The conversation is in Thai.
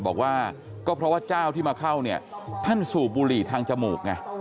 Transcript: บอกว่าก็เพราะว่าเจ้าที่มาเข้าเนี่ยท่านสูบบุหรี่ทางจมูกไง